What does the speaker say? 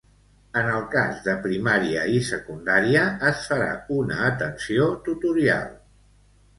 En el cas de primària i secundària es farà una atenció tutorial.